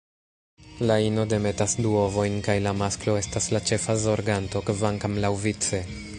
La ino demetas du ovojn kaj la masklo estas la ĉefa zorganto, kvankam laŭvice.